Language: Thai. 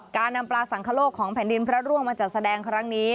การนำปลาสังคโลกของแผ่นดินพระร่วงมาจัดแสดงครั้งนี้